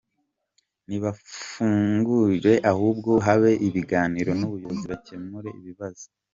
Ntibadufungire ahubwo habe ibiganiro n’ubuyobozi bakemure ibibazo.